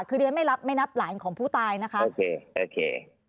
คือเรียนไม่รับไม่นับหลานของผู้ตายนะคะโอเคโอเค